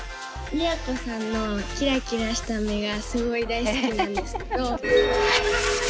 都さんのキラキラした目がすごい大好きなんですけど。